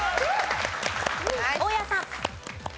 大家さん。